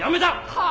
はあ！？